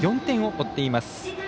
４点を追っています。